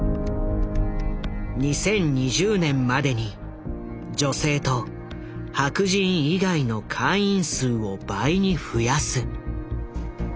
「２０２０年までに女性と白人以外の会員数を倍に増やす」。